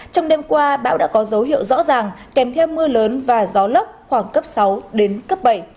trong đêm qua bão đã có dấu hiệu rõ ràng kèm theo mưa lớn và gió lốc khoảng cấp sáu đến cấp bảy